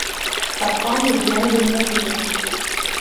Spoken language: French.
Sa femme vient de mourir.